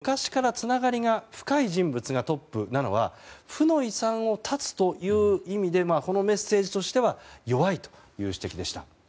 そのうえでジャニー氏と昔からつながりが深い人物がトップなのは負の遺産を断つという意味でそのメッセージとしては弱いという指摘でした。